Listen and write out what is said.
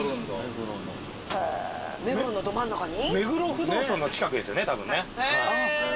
へぇ目黒のど真ん中に？